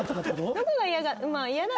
どこが嫌だ